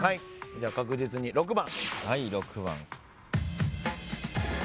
じゃあ確実に６番。